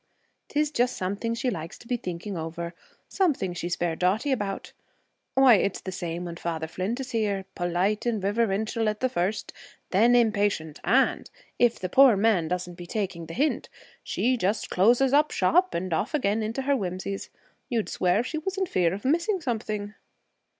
'Tis just something she likes to be thinking over something she's fair dotty about. Why, it's the same when Father Flint is here. Polite and riverintial at the first, then impatient, and, if the poor man doesn't be taking the hint, she just closes up shop and off again into her whimsies. You'd swear she was in fear of missing something?'